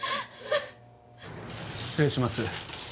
失礼します。